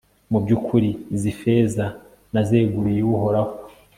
mu by'ukuri, izi feza nazeguriye uhoraho